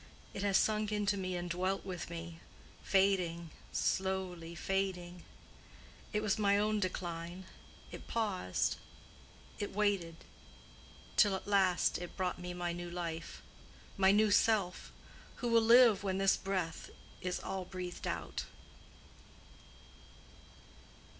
It has sunk into me and dwelt with me—fading, slowly fading: it was my own decline: it paused—it waited, till at last it brought me my new life—my new self—who will live when this breath is all breathed out."